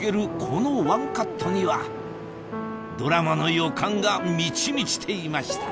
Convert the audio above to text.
このワンカットにはドラマの予感が満ち満ちていました